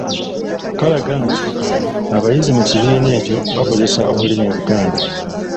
Kalaga nti abayizi mu kibiina ekyo bakozesa Olulimi Oluganda.